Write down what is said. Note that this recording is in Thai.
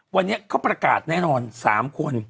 วันนี้เขาประกาศแน่นอน๓คน